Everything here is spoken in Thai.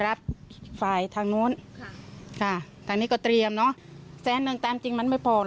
ค่ะสางนี้ก็เตรียม